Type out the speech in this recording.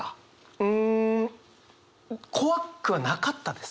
うん怖くはなかったです。